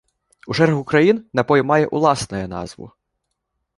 У шэрагу краін напой мае ўласнае назву.